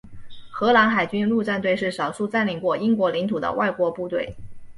荷兰海军陆战队是少数占领过英国领土的外国部队。